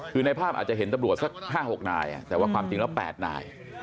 คือในภาพอาจจะเห็นตำรวจสัก๕๖นายแต่ว่าความจริงแล้ว๘นาย